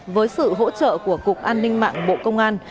với sự hỗ trợ của cục an ninh mạng bộ công an